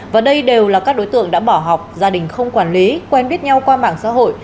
và đây đều là các đối tượng đã bỏ học gia đình không quản lý quen biết nhau qua mạng xã hội